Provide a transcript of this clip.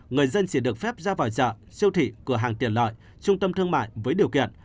người dân chỉ được phép ra vào chợ siêu thị cửa hàng tiện lợi trung tâm thương mại với điều kiện